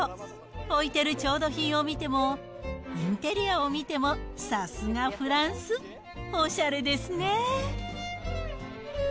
置いている調度品を見ても、インテリアを見ても、さすがフランス、おしゃれですね。